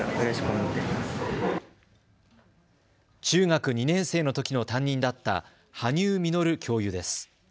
中学２年生のときの担任だった羽生実教諭です。